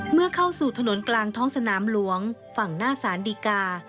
เมื่อเข้าสู่ถนนกลางท้องสนามหลวงฝั่งหน้าสารดีกา